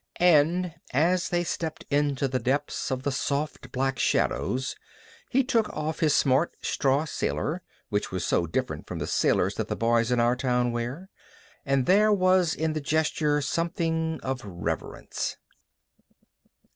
And as they stepped into the depths of the soft black shadows he took off his smart straw sailor, which was so different from the sailors that the boys in our town wear. And there was in the gesture something of reverence.